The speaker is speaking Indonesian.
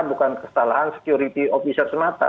bukan kesalahan security officer semata